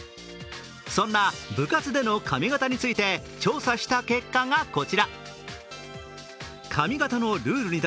そんな部活での髪形について調査した結果がこちら。